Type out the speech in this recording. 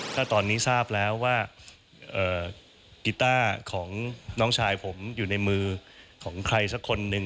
ถ้าตอนนี้ทราบแล้วว่ากีต้าของน้องชายผมอยู่ในมือของใครสักคนหนึ่ง